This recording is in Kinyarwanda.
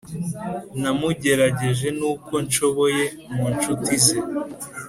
namugerageje n’uko nshoboye mu nshuti ze